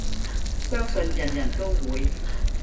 相信人人都會